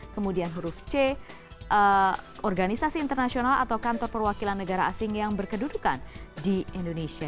kemudian huruf c organisasi internasional atau kantor perwakilan negara asing yang berkedudukan di indonesia